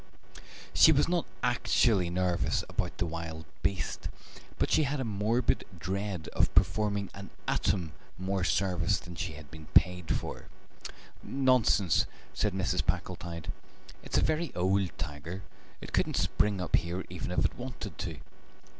She was not actually nervous about the wild beast, but she had a morbid dread of performing an atom more service than she had been paid for. "Nonsense," said Mrs. Packletide; "it's a very old tiger. It couldn't spring up here even if it wanted to."